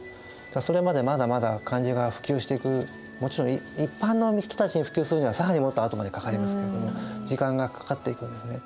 それまでまだまだ漢字が普及していくもちろん一般の人たちに普及するには更にもっとあとまでかかりますけれども時間がかかっていくんですね。